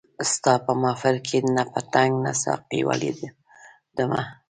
ستا په محفل کي نه پتنګ نه ساقي ولیدمه